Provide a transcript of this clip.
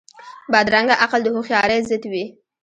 بدرنګه عقل د هوښیارۍ ضد وي